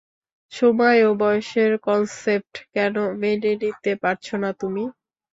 সময় ও বয়সের কনসেপ্ট কেন মেনে নিতে পারছো না তুমি?